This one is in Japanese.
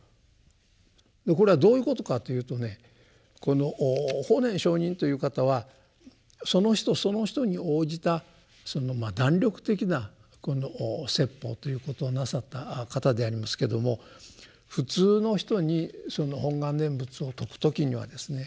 これはどういうことかというとねこの法然上人という方はその人その人に応じた弾力的な説法ということをなさった方でありますけども普通の人にその本願念仏を説く時にはですね